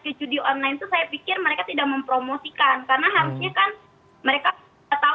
karena harusnya kan mereka tahu lah kita beritahu